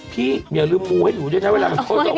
พี่อย่าลืมมูให้หนูใช้เวลา